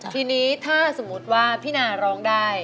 ทีนี้ถ้าสมมุติว่าพี่นาร้องได้